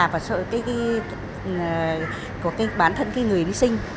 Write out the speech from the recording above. và sợi của bản thân người sinh